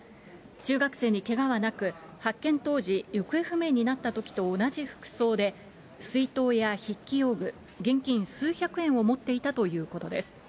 中学生にけがはなく、発見当時、行方不明になったときと同じ服装で、水筒や筆記用具、現金数百円を持っていたということです。